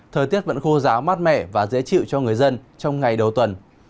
thời tiết vẫn khô giáo mát mẻ và dễ chịu cho người dân trong ngày đầu tuần